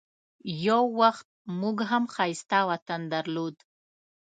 یو وخت موږ هم ښایسته وطن درلود.